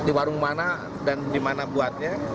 di warung mana dan di mana buatnya